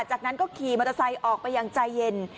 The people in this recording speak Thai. จากนั้นก็ขี่มอเตอร์ไซค์ออกไปอย่างใจเย็น